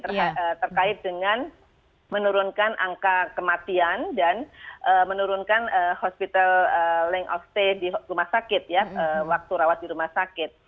terkait dengan menurunkan angka kematian dan menurunkan hospital link of stay di rumah sakit ya waktu rawat di rumah sakit